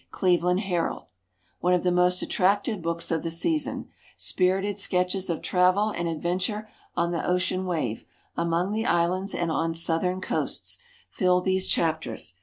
Cleveland Herald. One of the most attractive books of the season. Spirited sketches of travel and adventure on the ocean wave, among the islands and on southern coasts, fill these chapters.